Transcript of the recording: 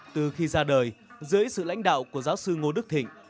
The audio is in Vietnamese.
từ khi ra đời dưới sự lãnh đạo của giáo sư ngô đức thịnh